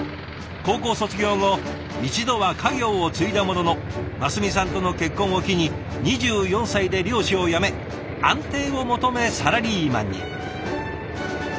高校卒業後一度は家業を継いだものの真澄さんとの結婚を機に２４歳で漁師を辞め安定を求めサラリーマンに。